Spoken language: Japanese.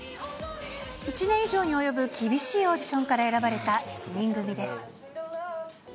１年以上に及ぶ厳しいオーディションから選ばれた７人組です。